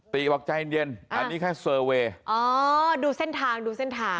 บอกใจเย็นเย็นอันนี้แค่เซอร์เวย์อ๋อดูเส้นทางดูเส้นทาง